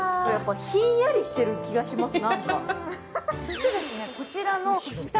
ひんやりしている気がします、なんか。